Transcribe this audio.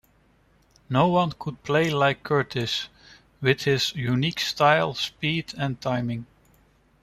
No one could play like Curtis, with his unique style, speed and timing.